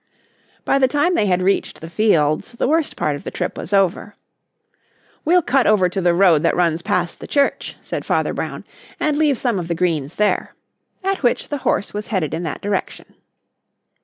By the time they had reached the fields the worst part of the trip was over. "We'll cut over to the road that runs past the church," said Father Brown, "and leave some of the greens there," at which the horse was headed in that direction.